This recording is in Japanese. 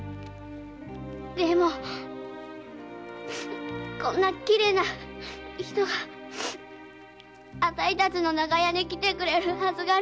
でもこんなきれいな人があたいたちの長屋に来てくれるはずがありません。